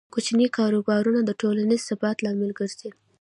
کوچني کاروبارونه د ټولنیز ثبات لامل ګرځي.